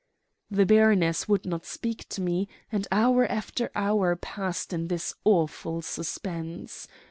"The baroness would not speak to me, and hour after hour passed in this awful suspense.